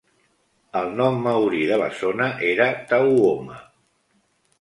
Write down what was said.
El nom maori de la zona era Tauoma.